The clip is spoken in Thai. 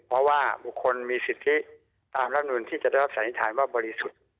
เพราะว่าบุคคลมีสิทธิตามรัฐมนุนที่จะได้รับสันนิษฐานว่าบริสุทธิ์